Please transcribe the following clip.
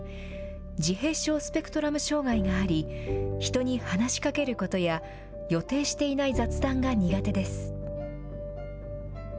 自閉症スペクトラム障害があり、人に話しかけることや、予定していない雑談が苦手です。